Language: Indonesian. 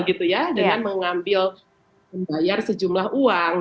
dengan mengambil membayar sejumlah uang